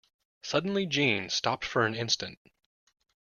Suddenly Jeanne stopped for an instant.